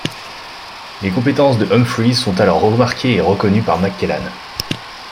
Les compétences de Humphreys sont alors remarquées et reconnues par McClellan.